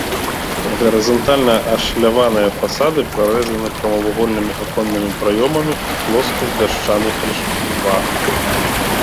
Гарызантальна ашаляваныя фасады прарэзаны прамавугольнымі аконнымі праёмамі ў плоскіх дашчаных ліштвах.